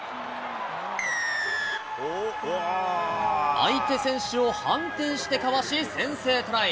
相手選手を反転してかわし、先制トライ。